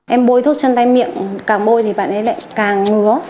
em bôi thuốc chân tay miệng càng bôi thì bạn ấy lại càng ngứa